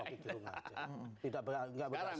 tidak berdasar itu